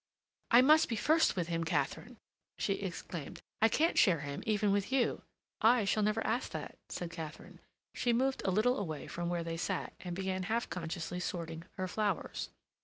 "I must be first with him, Katharine!" she exclaimed. "I can't share him even with you." "I shall never ask that," said Katharine. She moved a little away from where they sat and began half consciously sorting her flowers.